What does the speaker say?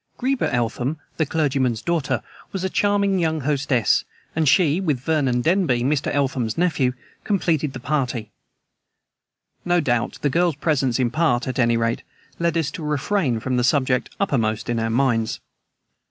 Greba Eltham, the clergyman's daughter, was a charming young hostess, and she, with Vernon Denby, Mr. Eltham's nephew, completed the party. No doubt the girl's presence, in part, at any rate, led us to refrain from the subject uppermost in our minds.